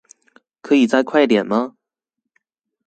可以再快點嗎